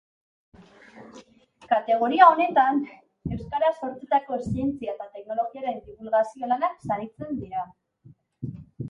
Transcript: Kategoria honetan, euskaraz sortutako zientzia eta teknologiaren dibulgazio-lanak saritzen dira.